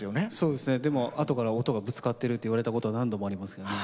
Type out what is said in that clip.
ですが、あとから音がぶつかってるって言われたことは何度もあります。